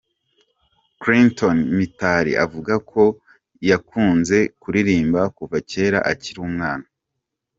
Clenton Mitali avuga ko yakunze kuririmba kuva kera akiri umwana.